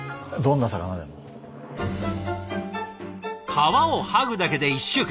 皮を剥ぐだけで１週間。